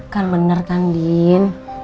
kan bener kan din